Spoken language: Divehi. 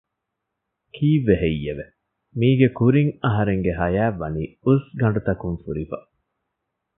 ކީއްވެ ހެއްޔެވެ؟ މީގެ ކުރިން އަހަރެންގެ ހަޔާތް ވަނީ އުސްގަނޑުތަކުން ފުރިފަ